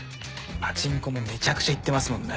パチンコもめちゃくちゃ行ってますもんね。